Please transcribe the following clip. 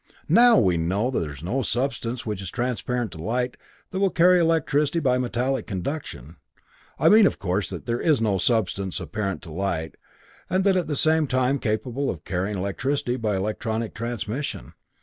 Now we know that there is no substance which is transparent to light, that will carry electricity by metallic conduction. I mean, of course, that there is no substance transparent to light, and at the same time capable of carrying electricity by electronic transmission.